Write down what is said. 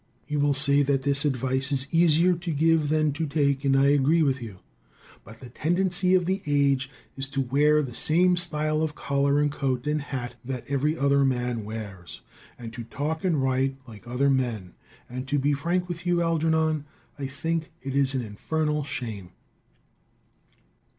You will say that this advice is easier to give than to take, and I agree with you. But the tendency of the age is to wear the same style of collar and coat and hat that every other man wears, and to talk and write like other men; and to be frank with you, Algernon, I think it is an infernal shame.